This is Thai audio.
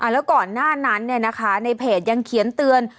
แล้วก่อนหน้านั้นเนี่ยนะคะในเพจยังเขียนเตือน